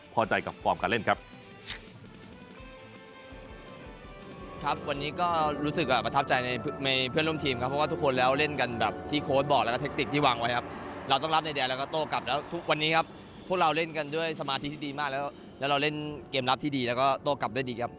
พอใจกับฟอร์มการเล่นครับ